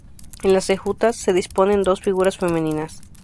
En las enjutas se disponen dos figuras femeninas.